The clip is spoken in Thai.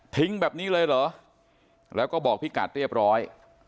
แบบนี้เลยเหรอแล้วก็บอกพี่กัดเรียบร้อย